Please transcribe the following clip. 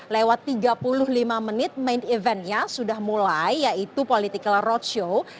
lewat tiga puluh lima menit main eventnya sudah mulai yaitu political roadshow